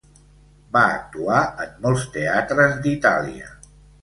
Va actuar en molts teatres d'Itàlia.